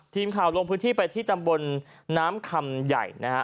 ทีมข่าวลงพื้นที่ไปที่ตำบลน้ำคำใหญ่นะฮะ